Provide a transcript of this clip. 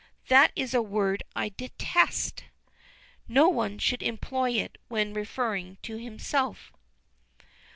That is a word I detest; no one should employ it when referring to himself."